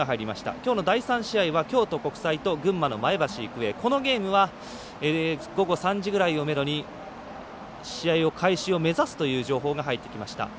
きょうの第３試合は京都国際高校と群馬の前橋育英、このゲームは午後３時ぐらいをめどに試合を開始を目指すという情報が入りました。